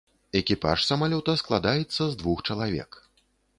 Экіпаж самалёта складаецца з двух чалавек.